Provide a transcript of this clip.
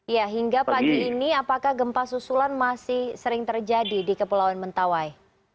ya hingga pagi ini apakah gempa susulan masih sering terjadi di kepulauan mentawai